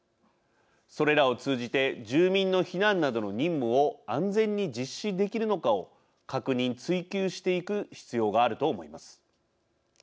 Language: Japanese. それらを通じて住民の避難などの任務を安全に実施できるのかを確認・追求していく必要があると思います。